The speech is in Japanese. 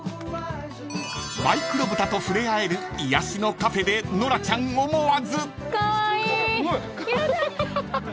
［マイクロ豚と触れ合える癒やしのカフェでノラちゃん思わず］